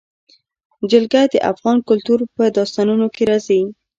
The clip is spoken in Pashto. جلګه د افغان کلتور په داستانونو کې راځي.